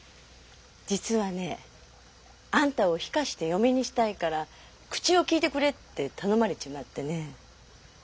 実はねあんたを落籍して嫁にしたいから口を利いてくれって頼まれちまってねえ。